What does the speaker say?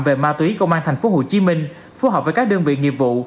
về ma túy công an tp hcm phù hợp với các đơn vị nghiệp vụ